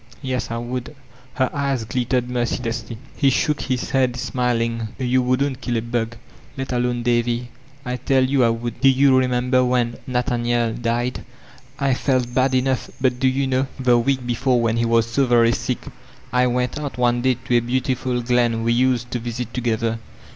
Yes, I would." Her eyes guttered mercilessly* He shook his head smiling: "You wouldn't kill a bug, let alone Davy." "I tell you I would. Do you remember when Nathaniel died? I felt bad enoi:^, but do you know 458 VoLTAntiNB DE Cleysb the week before when he was so very sickp I weri out one day to a beautiful glen we used to visit tpgetber.